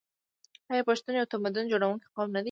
آیا پښتون یو تمدن جوړونکی قوم نه دی؟